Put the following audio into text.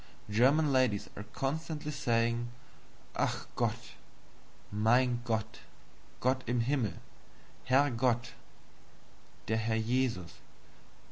German ladies are constantly saying, "Ach! Gott!" "Mein Gott!" "Gott in Himmel!" "Herr Gott" "Der Herr Jesus!"